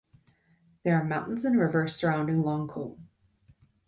There are mountains and rivers surrounding Longkou.